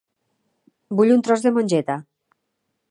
Vull un tros de mongeta.